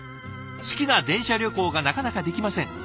「好きな電車旅行がなかなかできません。